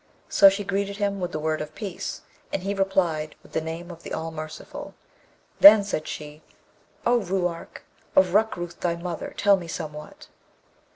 So she greeted him with the word of peace, and he replied with the name of the All Merciful. Then said she, 'O Ruark, of Rukrooth thy mother tell me somewhat.'